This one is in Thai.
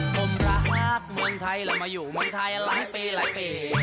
ผมรักเมืองไทยเรามาอยู่เมืองไทยหลายปีหลายปี